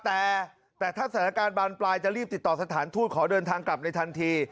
แต่ถ้าสถานการณ์บานปลายจะรีบติดต่อสถานทูตขอเดินทางกลับในทันที